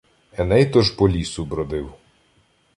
Еней тож по лісу бродив.